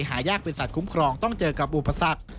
หายากเป็นสัตว์คุ้มครองต้องเจอกับอุปสรรค